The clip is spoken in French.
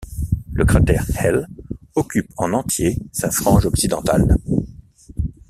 Le cratère Hell occupe en entier sa frange occidentale.